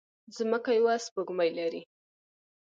ځمکه يوه سپوږمۍ لري